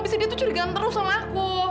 abis itu dia tuh curigaan terus sama aku